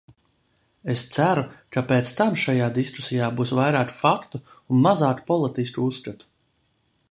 Es ceru, ka pēc tam šajā diskusijā būs vairāk faktu un mazāk politisku uzskatu.